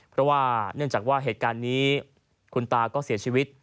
เพราะว่าเนื่องจากว่าเหตุการณ์นี้คุณตาก็เสียชีวิต